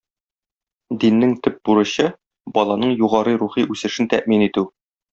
Диннең төп бурычы - баланың югары рухи үсешен тәэмин итү.